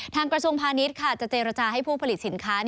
กระทรวงพาณิชย์จะเจรจาให้ผู้ผลิตสินค้า